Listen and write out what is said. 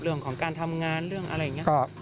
เรื่องของการทำงานเรื่องอะไรอย่างนี้